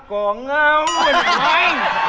กลัวเงามันเป็นวัง